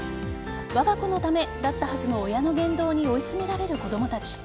我が子のためだったはずの親の言動に追い詰められる子供たち。